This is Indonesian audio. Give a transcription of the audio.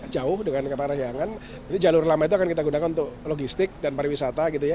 jauh dengan parayangan ini jalur lama itu akan kita gunakan untuk logistik dan pariwisata gitu ya